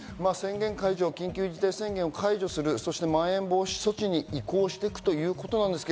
緊急事態宣言を解除する、そしてまん延防止措置に移行していくということですが。